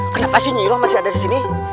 kenapa nyiroh masih ada di sini